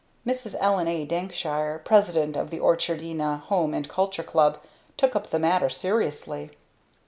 Mrs. Ellen A. Dankshire, President of the Orchardina Home and Culture Club, took up the matter seriously.